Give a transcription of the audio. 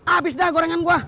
abis dah gorengan gue